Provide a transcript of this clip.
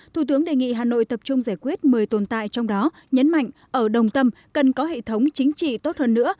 thủ tướng đề nghị hà nội tập trung giải quyết một mươi tồn tại trong đó nhấn mạnh ở đồng tâm cần có hệ thống chính trị tốt hơn nữa